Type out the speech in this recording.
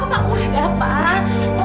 bapak udah pak